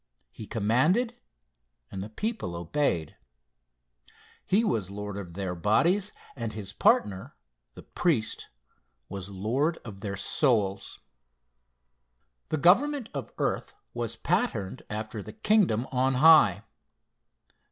He commanded, and the people obeyed. He was lord of their bodies, and his partner, the priest, was lord of their souls. The government of earth was patterned after the kingdom on high.